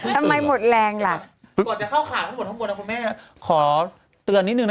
สวัสดีค่ะ